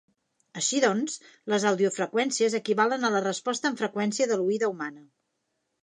Així doncs, les audiofreqüències equivalen a la resposta en freqüència de l'oïda humana.